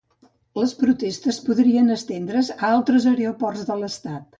Les protestes podrien estendre’s a altres aeroports de l’estat.